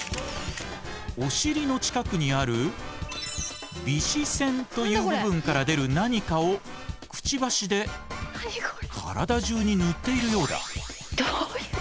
お尻の近くにある尾脂腺という部分から出る何かをクチバシで体中に塗っているようだ。